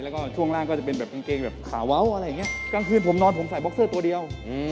แล้วก็ช่วงล่างก็จะเป็นแบบกางเกงแบบขาเว้าอะไรอย่างเงี้ยกลางคืนผมนอนผมใส่บ็อกเซอร์ตัวเดียว